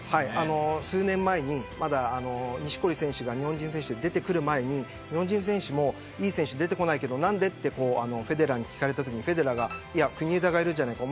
数年前に、まだ錦織選手が日本人選手で出てくる前に日本人選手もいい選手出てこないけど、何でとフェデラーに聞かれたときにフェデラーが国枝がいるじゃないか。